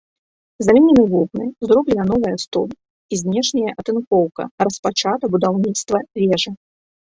Заменены вокны, зроблена новая столь і знешняя атынкоўка, распачата будаўніцтва вежы.